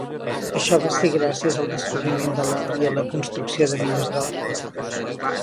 Això va ser gràcies al descobriment de l'or i a la construcció de mines d'or.